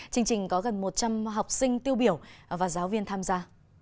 chương trình có gần một trăm linh học sinh tiêu biểu và giáo viên tham gia